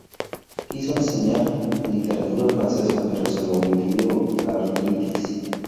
Quiso enseñar literatura francesa pero se lo impidió la artritis.